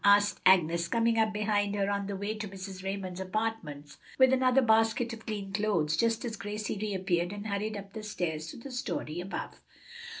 asked Agnes, coming up behind her on her way to Mrs. Raymond's apartments with another basket of clean clothes, just as Gracie reappeared and hurried up the stairs to the story above."